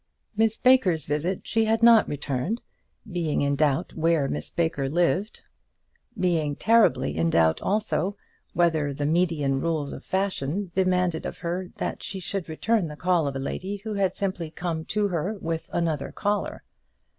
Miss Baker's visit she had not returned, being in doubt where Miss Baker lived, being terribly in doubt also whether the Median rules of fashion demanded of her that she should return the call of a lady who had simply come to her with another caller.